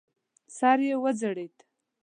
سر یې وځړېد.